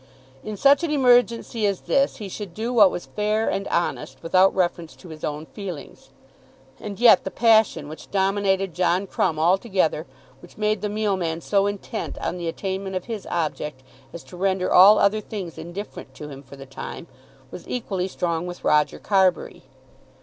In such an emergency as this he should do what was fair and honest, without reference to his own feelings. And yet the passion which dominated John Crumb altogether, which made the mealman so intent on the attainment of his object as to render all other things indifferent to him for the time, was equally strong with Roger Carbury.